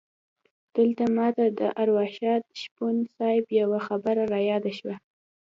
دلته ماته د ارواښاد شپون صیب یوه خبره رایاده شوه.